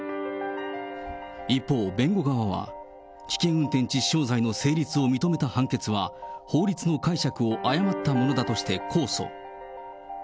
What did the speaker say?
一方、弁護側は危険運転致死傷罪の成立を認めた判決は、法律の解釈を誤ったものだとして控訴。